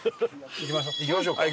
行きましょう。